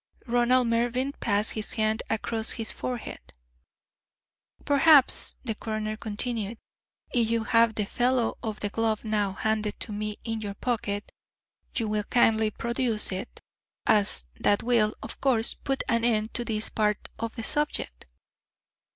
Ronald Mervyn passed his hand across his forehead. "Perhaps," the coroner continued, "if you have the fellow of the glove now handed to me in your pocket, you will kindly produce it, as that will, of course, put an end to this part of the subject."